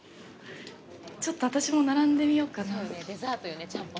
ちょっと私も並んでみようかな。